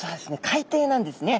海底なんですね。